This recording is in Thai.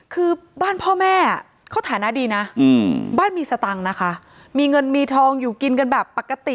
คือบ้านพ่อแม่เขาฐานะดีนะบ้านมีสตังค์นะคะมีเงินมีทองอยู่กินกันแบบปกติ